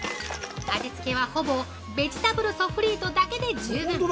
味付けは、ほぼベジタブルソフリートだけで十分。